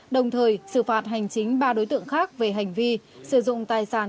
đồng thời xử phạt hành chính ba đối tượng khác về hành vi sử dụng tài sản